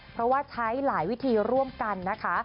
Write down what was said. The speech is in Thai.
เพราะว่าใช้หลายวิธีร่วมกันนะคะ